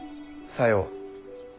さよう。